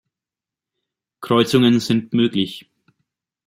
Kreuzungen sind möglich.